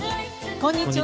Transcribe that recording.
こんにちは。